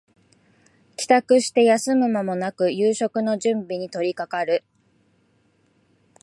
帰宅して休む間もなく夕食の準備に取りかかる